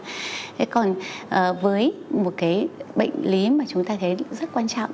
thế còn với một cái bệnh lý mà chúng ta thấy rất quan trọng